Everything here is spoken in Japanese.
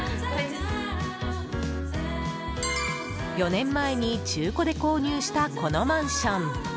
４年前に中古で購入したこのマンション。